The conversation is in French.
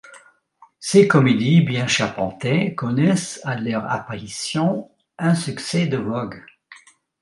Ses comédies, bien charpentées, connaissent à leur apparition un succès de vogue.